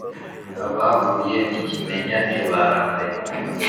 abahuye n ikimenyane barakaye